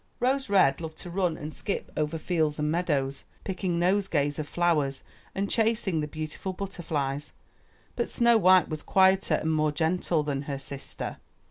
Rose red loved to run and skip over fields and meadows, picking nosegays of flowers and chasing the beautiful butterflies, but Snow white was quieter and more gentle than her sister.